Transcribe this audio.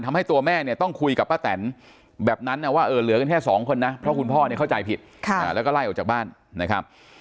ทำให้ตัวแม่เนี่ยต้องคุยกับป้าแตนแบบนั้นนะว่าเหลือกันแค่สองคนนะเพราะคุณพ่อเนี่ยเข้าใจผิดแล้วก็ไล่ออกจากบ้านนะครับ